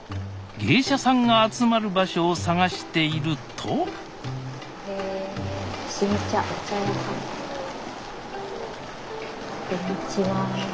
芸者さんが集まる場所を探しているとこんにちは。